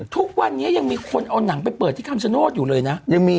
ทุกวันนี้ยังมีคนเอาหนังไปเปิดที่คำชโนธอยู่เลยนะ